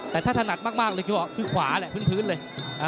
แต่ถ้าถนัดมากเลยคือขวาแหละพื้นเลย